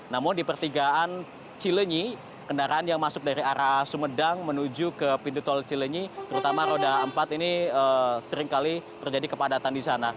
namun di pertigaan cilenyi kendaraan yang masuk dari arah sumedang menuju ke pintu tol cilenyi terutama roda empat ini seringkali terjadi kepadatan di sana